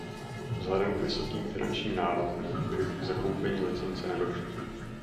Vzhledem k vysokým finančním nárokům však k zakoupení licence nedošlo.